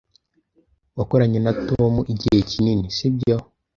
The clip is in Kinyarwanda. Wakoranye na Tom igihe kinini, sibyo?